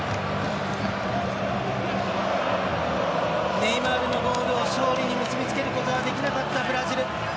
ネイマールのゴールを勝利に結びつけることができなかったブラジル。